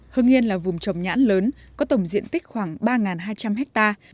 hưng yên là vùng trồng nhãn lớn có tổng diện tích khoảng ba hai trăm linh hectare